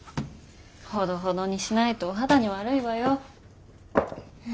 ほどほどにしないとお肌に悪いわよ。